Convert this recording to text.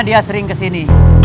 dia sering kesini